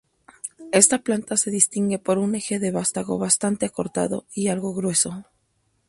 Esta planta se distingue por un eje del vástago bastante acortado y algo grueso.